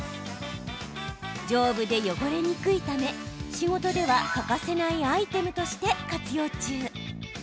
丈夫で汚れにくいため仕事では欠かせないアイテムとして活用中。